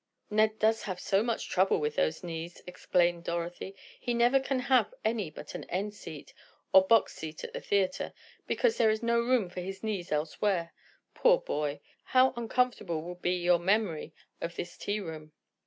"Ned does have so much trouble with those knees," explained Dorothy. "He never can have any but an end seat or box seat at the theatre, because there is no room for his knees elsewhere. Poor boy! How uncomfortable will be your memory of this tea room!"